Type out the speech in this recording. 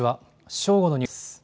正午のニュースです。